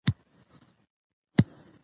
کلتور د افغانانو ژوند اغېزمن کوي.